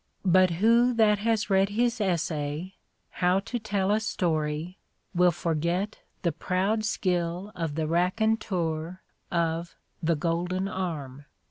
But who that has read his essay, "How to Tell a Story," will forget the proud skill of the raconteur of "The Golden Arm"?